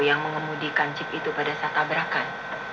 yang mengemudikan cip itu pada saat kabrakan